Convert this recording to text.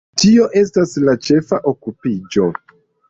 Tio estas la ĉefa okupiĝo.